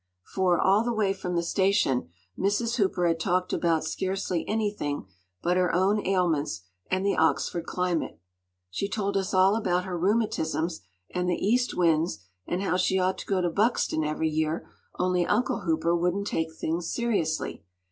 For, all the way from the station, Mrs. Hooper had talked about scarcely anything but her own ailments, and the Oxford climate. “She told us all about her rheumatisms—and the east winds—and how she ought to go to Buxton every year—only Uncle Hooper wouldn’t take things seriously.